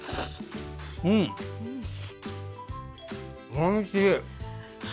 おいしい！